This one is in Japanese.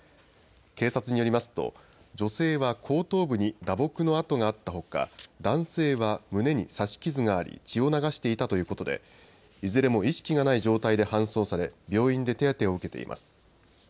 警察によりますと女性は後頭部に打撲の痕があったほか男性は胸に刺し傷があり血を流していたということでいずれも意識がない状態で搬送され病院で手当てを受けています。